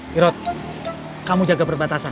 hirot kamu jaga perbatasan